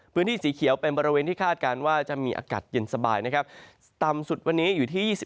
พื้นที่สีเขียวเป็นบริเวณที่คาดการณ์ว่าจะมีอากาศเย็นสบาย